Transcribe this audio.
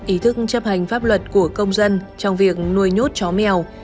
ý thức chấp hành pháp luật của công dân trong việc nuôi nhốt chó mèo